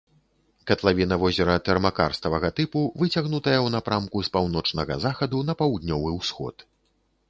Катлавіна возера тэрмакарставага тыпу, выцягнутая ў напрамку з паўночнага захаду на паўднёвы ўсход.